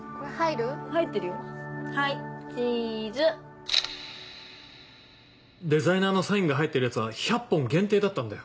行くよデザイナーのサインが入ってるやつは１００本限定だったんだよ。